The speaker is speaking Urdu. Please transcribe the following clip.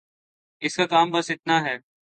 اس کا کام بس اتنا ہے۔